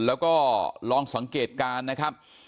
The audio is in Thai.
แล้วก็ลองสังเกตการณ์นะครับ